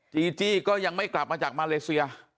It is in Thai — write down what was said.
จีจี้ก็ยังไม่กลับมาจากมาเลเซีย